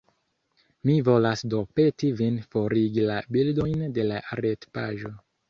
Mi volas do peti vin forigi la bildojn de la retpaĝo.